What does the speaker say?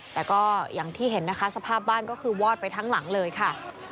แต่ก็อย่างที่เห็นนะคะสภาพบ้านก็คือวอดไปทั้งหลังเลยค่ะ